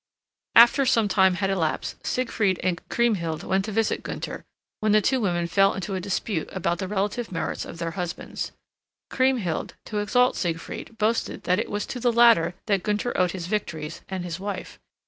After some time had elapsed, Siegfried and Kriemhild went to visit Gunther, when the two women fell into a dispute about the relative merits of their husbands. Kriemhild, to exalt Siegfried, boasted that it was to the latter that Gunther owed his victories and his wife.